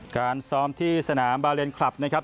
การซ้อมที่สนามบาเลนคลับนะครับ